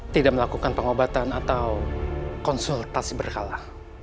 tidak melakukan pengobatan atau konsultasi berkala